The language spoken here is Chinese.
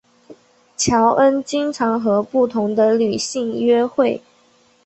乔恩经常和不同的女性约会。